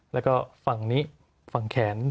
แล้วก็ฝั่งนี้ฝั่งแขน